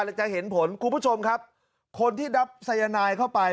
จะเห็นผลคุณผู้ชมครับคนที่รับสายนายเข้าไป